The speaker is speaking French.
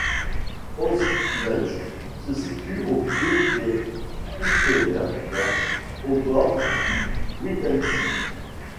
Holzbunge se situe au pied des Hüttener Berge, au bord du Wittensee.